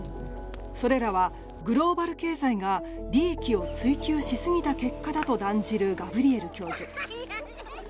それらはグローバル経済が利益を追求しすぎた結果だと断じるガブリエル教授。